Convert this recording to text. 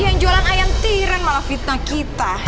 yang jualan ayam tireng malah fitnah kita